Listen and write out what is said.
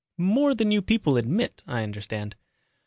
"More than you people admit, I understand."